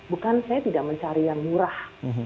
bukan saya tidak mencari yang murah